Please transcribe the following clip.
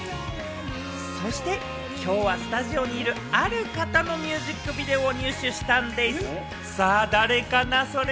そして今日はスタジオにいる、ある方のミュージックビデオを入手したんでぃす！